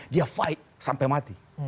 dia fight sampai mati